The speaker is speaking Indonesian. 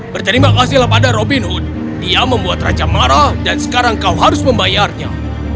berterima kasihlah pada robin hood dia membuat raja marah dan sekarang kau harus membayarnya